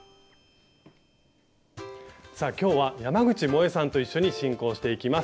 さあ今日は山口もえさんと一緒に進行していきます。